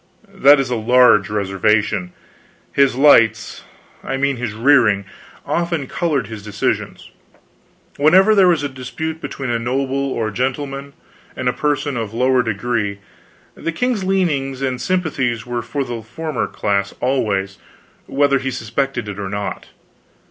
That is a large reservation. His lights I mean his rearing often colored his decisions. Whenever there was a dispute between a noble or gentleman and a person of lower degree, the king's leanings and sympathies were for the former class always, whether he suspected it or not.